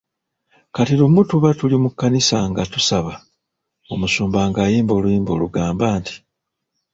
Kati lumu tuba tuli mu kkanisa nga tusaba, omusumba ng'ayimba oluyimba olugamba nti.